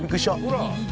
「ほら」